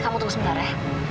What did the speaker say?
kamu tunggu sebentar ya